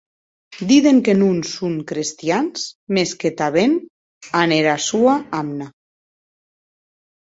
Diden que non son crestians, mès que tanben an era sua amna.